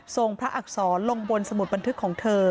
พระอักษรลงบนสมุดบันทึกของเธอ